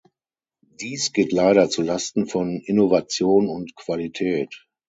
Dies geht leider zu Lasten von Innovation und Qualität.